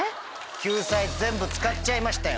救済全部使っちゃいましたよ。